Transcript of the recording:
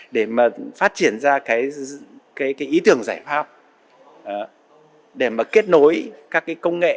để mà phát triển ra cái ý tưởng giải pháp để mà kết nối các cái công nghệ